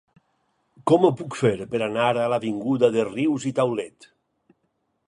Com ho puc fer per anar a l'avinguda de Rius i Taulet?